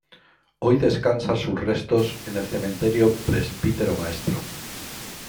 Hoy descansan sus restos en el Cementerio Presbítero Maestro.